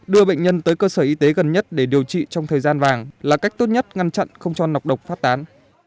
đưa bệnh nhân tới cơ sở y tế gần nhất để điều trị trong thời gian vàng là cách tốt nhất ngăn chặn không cho nọc độc phát tán